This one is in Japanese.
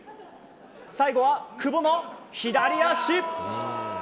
最後は久保の左足。